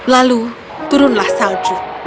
lalu turunlah salju